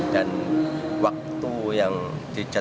dan waktu yang dijalankan